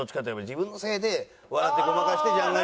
自分のせいで笑ってごまかして「ジャンガ」。